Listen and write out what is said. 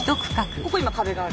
ここ今壁がある。